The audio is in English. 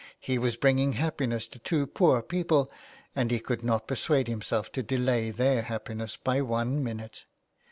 He was bringing happiness to two poor people, and he could not persuade himself to delay their happiness by one minute.